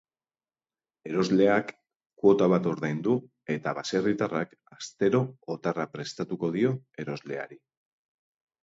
Erosleak kuota bat ordaindu, eta baserritarrak astero otarra prestatuko dio erosleari.